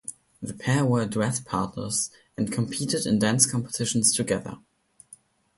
The pair were duet partners and competed in dance competitions together.